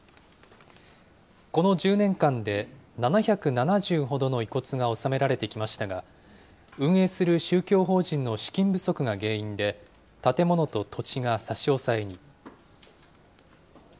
この１０年間で７７０ほどの遺骨が納められてきましたが、運営する宗教法人の資金不足が原因で、建物と土地が差し押さえに。